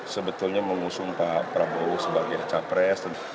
sebetulnya mengusung pak prabowo sebagai capres